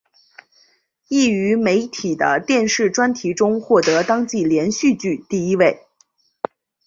亦于媒体的电视专题中获得当季连续剧第一位。